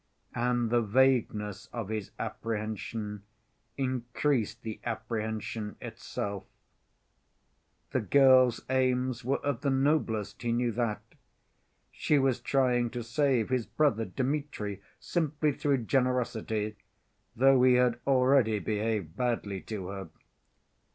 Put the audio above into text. And the vagueness of his apprehension increased the apprehension itself. The girl's aims were of the noblest, he knew that. She was trying to save his brother Dmitri simply through generosity, though he had already behaved badly to her.